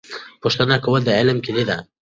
پوښتنه کول د علم کیلي ده.